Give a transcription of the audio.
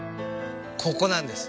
ここなんです。